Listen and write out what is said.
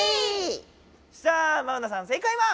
さあマウナさん正解は？